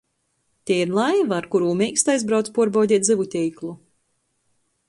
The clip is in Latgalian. Tei ir laiva, ar kurū Meikstais brauc puorbaudeit zyvu teiklu.